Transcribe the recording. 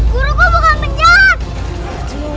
guru aku bukan penjahat